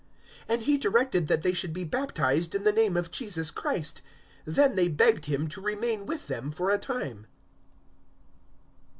010:048 And he directed that they should be baptized in the name of Jesus Christ. Then they begged him to remain with them for a time.